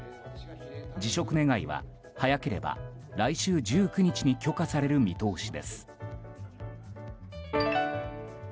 辞職願は早ければ来週１９日に許可される見通しです。